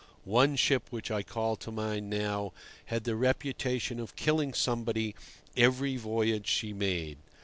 One ship which I call to mind now had the reputation of killing somebody every voyage she made.